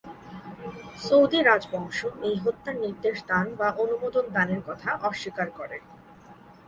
Saudi রাজবংশ এই হত্যার নির্দেশ দান বা অনুমোদন দানের কথা অস্বীকার করে।